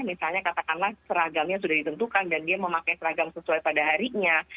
misalnya katakanlah seragamnya sudah ditentukan dan dia memakai seragam sesuai pada harinya